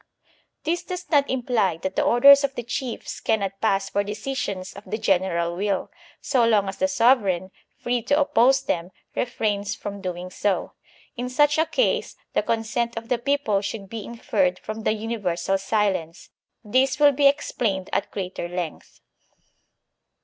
This does not imply that the orders of the chiefs cannot pass for decisions of the general will, so long as the sov ereign, free to oppose them, refrains from doing so. In such a case the consent of the people should be inferred from the universal silence. This will be explained at greater length.